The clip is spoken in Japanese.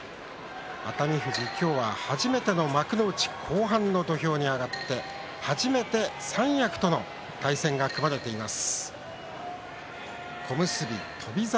熱海富士、今日は初めて幕内の後半に土俵に上がって初めて三役との対戦が組まれています。